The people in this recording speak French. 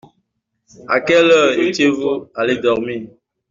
À quelle heure étiez-vous allés dormir ?